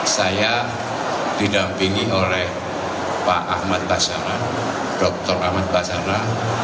saya didampingi oleh pak ahmad basara dr ahmad basara